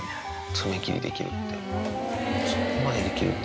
爪切りできるって。